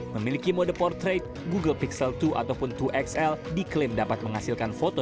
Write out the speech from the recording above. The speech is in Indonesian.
memiliki mode portrait google pixel dua ataupun dua xl diklaim dapat menghasilkan foto